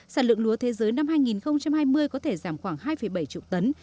sản lượng lúa thế giới năm hai nghìn hai mươi có thể giảm khoảng hai bảy triệu tấn